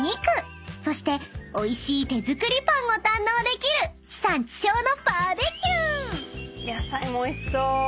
［そしておいしい手作りパンを堪能できる地産地消のバーベキュー］